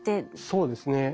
そうですね。